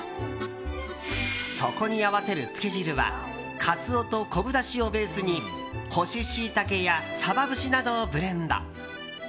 そこに合わせるつけ汁はカツオと昆布だしをベースに干しシイタケやサバ節などをブレンド。